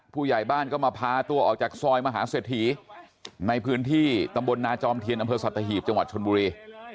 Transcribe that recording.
ผู้ใหญ่บ้านก็มาพาตัวออกจากซอยมหาเศรษฐีในพื้นที่ตำบลนาจอมเทียนอำเภอสัตหีบจังหวัดชนบุรี